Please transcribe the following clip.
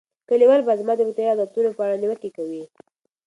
کلیوال به زما د روغتیايي عادتونو په اړه نیوکې کوي.